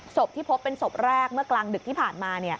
ศพที่พบเป็นศพแรกเมื่อกลางดึกที่ผ่านมา